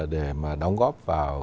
để mà đóng góp vào